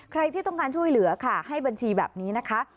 ที่ต้องการช่วยเหลือค่ะให้บัญชีแบบนี้นะคะ